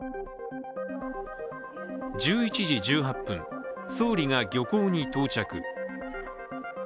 １１時１８分、総理が漁港に到着。